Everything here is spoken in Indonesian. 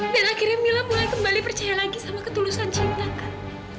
dan akhirnya mila mulai kembali percaya lagi sama ketulusan cinta kak